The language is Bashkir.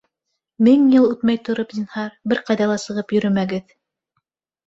Мең йыл үтмәй тороп, зинһар, бер ҡайҙа ла сығып йөрөмәгеҙ.